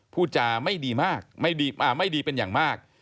พูดจาไม่ดีมากไม่ดีเป็นอย่างมาก